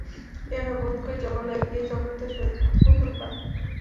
ইহারা বোধ করি যমালয়ে গিয়া যমদূতের সহিত কোন্দল করে।